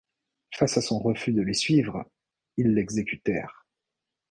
Face à son refus de les suivre, ils l'exécutèrent.